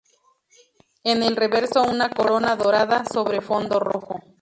En el reverso una corona dorada, sobre fondo rojo.